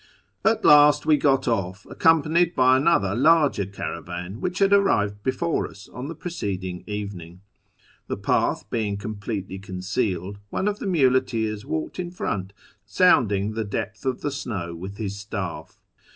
At last we got off, accompanied by another larger caravan which had arrived before us on the preceding evening. The path being completely concealed, one of the muleteers walked in front, sounding the depth of the snow with his staff.